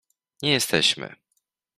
Nie jesteśmy.